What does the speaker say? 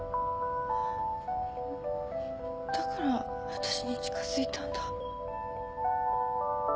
だからわたしに近づいたんだ。